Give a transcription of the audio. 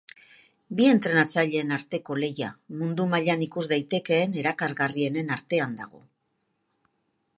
Bi entrenatzaileen arteko lehia, mundu mailan ikus daitekeen erakargarrienen artean dago.